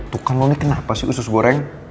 tuh kan lo nih kenapa sih usus goreng